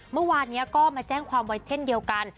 เมื่อวานนี้ก็มาแจ้งความไว้เช่นเดียวกัน